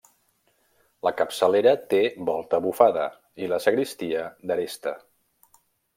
La capçalera té volta bufada, i la sagristia d'aresta.